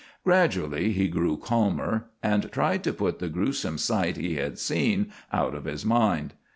Gradually he grew calmer, and tried to put the gruesome sight he had seen out of his mind.